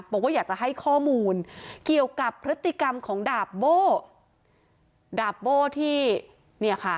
บอกว่าอยากจะให้ข้อมูลเกี่ยวกับพฤติกรรมของดาบโบ้ดาบโบ้ที่เนี่ยค่ะ